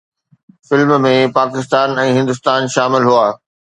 film ۾ Pakistan ۽ Hindustan شامل هئا